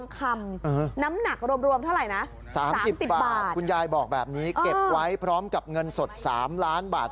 คุณยายบอกแบบนี้เก็บไว้พร้อมกับเงินสด๓ล้านบาท